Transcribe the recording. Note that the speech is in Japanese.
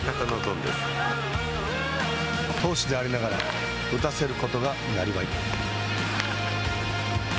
投手でありながら打たせることがなりわい。